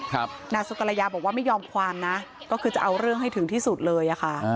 นางสุกรยาบอกว่าไม่ยอมความนะก็คือจะเอาเรื่องให้ถึงที่สุดเลยอะค่ะ